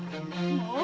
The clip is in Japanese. もう！